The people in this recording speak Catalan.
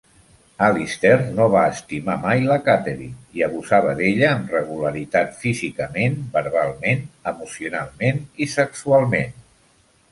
Alistair no va estimar mai la Katherine i abusava d'ella amb regularitat físicament, verbalment, emocionalment i sexualment.